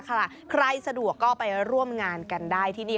ใครสะดวกก็ไปร่วมงานกันได้ที่นี่